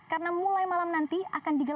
karena mulai malam nanti akan dibuat